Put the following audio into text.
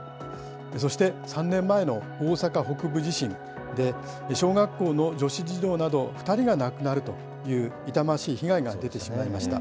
そして、３年前の大阪北部地震で、小学校の女子児童など２人が亡くなるという痛ましい被害が出てしまいました。